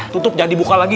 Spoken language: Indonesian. tutup jangan dibuka lagi